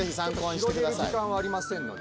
広げる時間はありませんので。